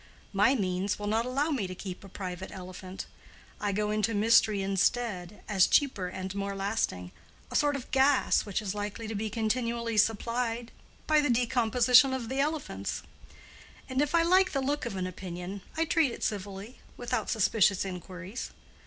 My means will not allow me to keep a private elephant. I go into mystery instead, as cheaper and more lasting—a sort of gas which is likely to be continually supplied by the decomposition of the elephants. And if I like the look of an opinion, I treat it civilly, without suspicious inquiries.